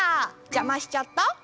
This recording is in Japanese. じゃましちゃった？